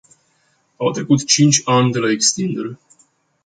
Au trecut cinci ani de la extindere.